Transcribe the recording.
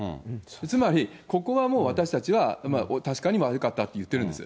つまり、ここはもう私たちは確かに悪かったと言ってるんです。